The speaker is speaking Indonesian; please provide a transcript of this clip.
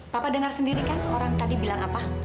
papa dengar sendiri kan orang tadi bilang apa